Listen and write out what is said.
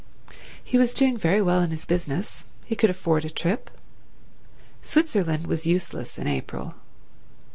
He was doing very well in his business. He could afford a trip. Switzerland was useless in April.